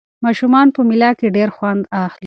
ماشومان په مېله کې ډېر خوند اخلي.